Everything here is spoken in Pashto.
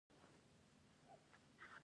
د افغانستان په منظره کې ننګرهار ښکاره ده.